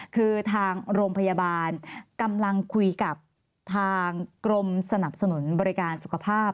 คือทางโรงพยาบาลกำลังคุยกับทางกรมสนับสนุนบริการสุขภาพ